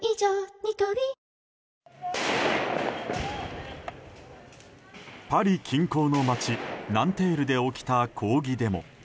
ニトリパリ近郊の町ナンテールで起きた抗議デモ。